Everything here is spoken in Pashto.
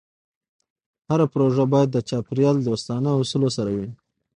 هره پروژه باید د چاپېریال دوستانه اصولو سره وي.